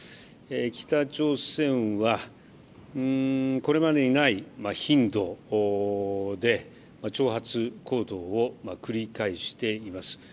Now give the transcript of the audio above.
北朝鮮はこれまでにない頻度で挑発を繰り返しています。